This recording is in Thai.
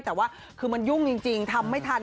แต่ว่าคือมันยุ่งจริงทำไม่ทัน